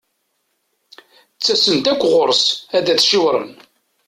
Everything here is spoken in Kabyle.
Ttasen-d akk ɣur-s ad t-ciwren.